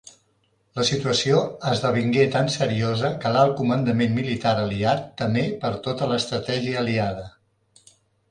La situació esdevingué tan seriosa que l'alt comandament militar aliat temé per tota l'estratègia aliada.